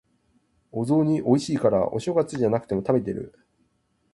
お雑煮美味しいから、お正月じゃなくても食べてる。